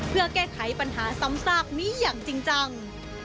เพื่อแก้ไขปัญหาซ้ำซากนี้อย่างจริงจัง